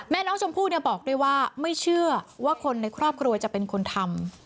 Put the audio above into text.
แม่น้องชมพู่บอกด้วยว่าไม่เชื่อว่าคนในครอบครัวจะเป็นคนทำ